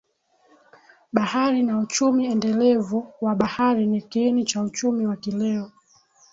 Bahari na uchumi endelevu wa bahari ni kiini cha uchumi wa kileo